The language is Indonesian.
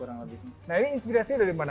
nah ini inspirasinya dari mana